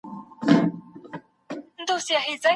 د پولیسو کار له خطرونو څخه ډک دی.